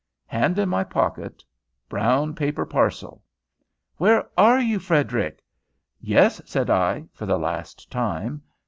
Hand in my pocket, brown paper parcel. "Where are you, Frederic?" "Yes," said I, for the last time.